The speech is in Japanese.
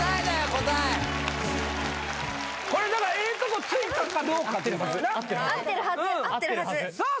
答えこれだからええとこついたかどうかっていうことやな合ってるはず合ってるはずさあ